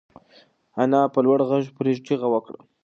انا په لوړ غږ پرې چیغه کړه.